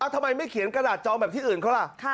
ทำไมไม่เขียนกระดาษจองแบบที่อื่นเขาล่ะ